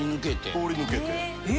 通り抜けて。